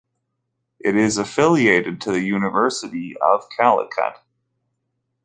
It is affiliated to the University of Calicut.